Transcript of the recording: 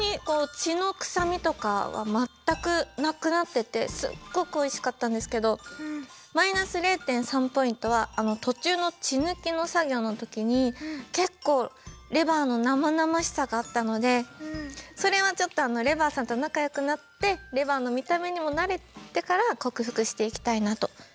こう血の臭みとかは全くなくなっててすっごくおいしかったんですけどマイナス０．３ポイントは途中の血抜きの作業の時に結構レバーの生々しさがあったのでそれはちょっとレバーさんと仲よくなってレバーの見た目にも慣れてから克服していきたいなと。